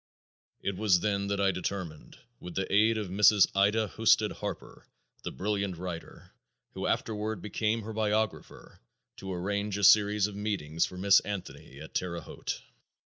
It was then that I determined, with the aid of Mrs. Ida Husted Harper, the brilliant writer, who afterward became her biographer, to arrange a series of meetings for Miss Anthony at Terre Haute.